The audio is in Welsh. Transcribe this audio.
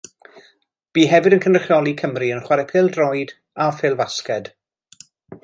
Bu hefyd yn cynrychioli Cymru yn chwarae pêl-rwyd a phêl-fasged.